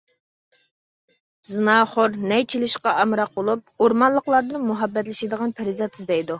زىناخور، نەي چېلىشقا ئامراق بولۇپ، ئورمانلىقلاردىن مۇھەببەتلىشىدىغان پەرىزات ئىزدەيدۇ.